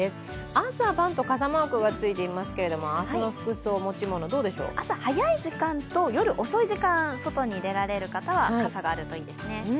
朝晩と傘マークがついていますけれども明日の服装、朝早い時間と遅い時間、外に出られる方は傘があるといいですね。